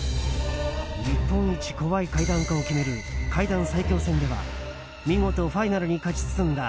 日本一怖い怪談家を決める「怪談最恐戦」では見事ファイナルに勝ち進んだ